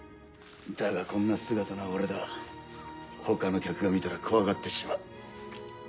だがこんな姿の俺だ他の客が見たら怖がってしまう。